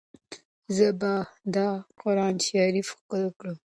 زه به دا قرانشریف ښکل کړم.